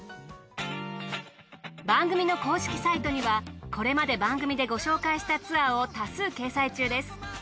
番組の公式サイトにはこれまで番組でご紹介したツアーを多数掲載中です。